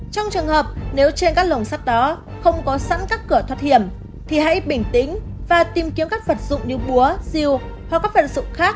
trong trường hợp nếu trên các lồng sắt đó không có sẵn các cửa thoát hiểm thì hãy bình tĩnh và tìm kiếm các vật dụng như búa rìu hoặc các vật dụng khác